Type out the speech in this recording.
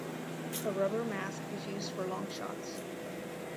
A rubber mask was used for long shots.